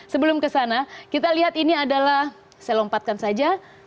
sebelum kesana kita lihat ini adalah saya lompatkan saja